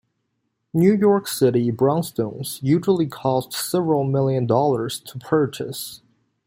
New York City brownstones usually cost several million dollars to purchase.